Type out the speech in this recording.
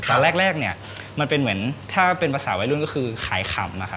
ตอนแรกเนี่ยมันเป็นเหมือนถ้าเป็นภาษาวัยรุ่นก็คือขายขำนะครับ